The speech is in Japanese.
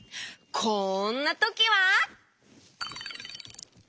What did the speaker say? こんなときは！